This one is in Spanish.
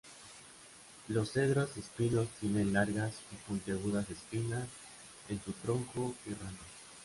Los cedros espinos tienen largas y puntiagudas espinas en su tronco y ramas.